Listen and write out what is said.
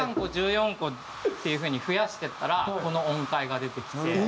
１３個１４個っていう風に増やしていったらこの音階が出てきて。